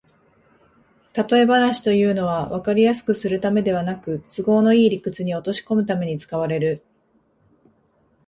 たとえ話というのは、わかりやすくするためではなく、都合のいい理屈に落としこむために使われる